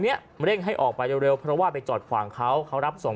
เนี้ยเร่งให้ออกไปเร็วเพราะว่าไปจอดขวางเขาเขารับส่ง